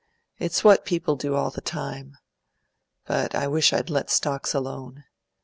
It's what people do all the time. But I wish I'd let stocks alone.